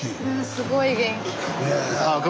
すごい元気。